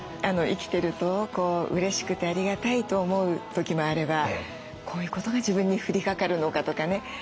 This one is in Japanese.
生きてるとうれしくてありがたいと思う時もあればこういうことが自分に降りかかるのかとかね